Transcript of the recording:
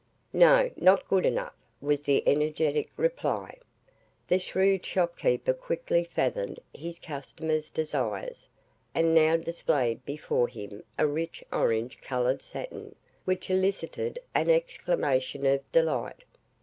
"No; not good enough!" was the energetic reply. The shrewd shopkeeper quickly fathomed his customer's desires, and now displayed before him a rich orange coloured satin, which elicited an exclamation of delight.